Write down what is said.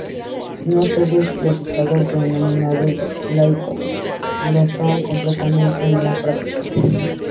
No todos los Estados denominados laicos lo son completamente en la práctica.